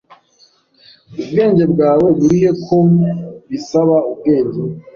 Ubwenge bwawe burihe ko bisaba ubwenge?